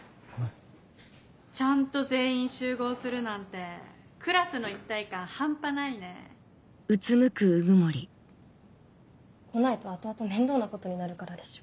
ちゃんと全員集合するなんてクラスの一体感半端ないね。来ないと後々面倒なことになるからでしょ。